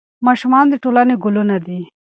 ماشومان د ټولنې ګلونه دي.